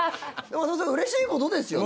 松本さんうれしいことですよね。